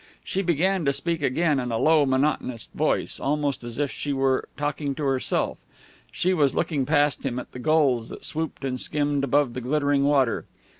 She began to speak again, in a low, monotonous voice, almost as if she were talking to herself. She was looking past him, at the gulls that swooped and skimmed above the glittering water.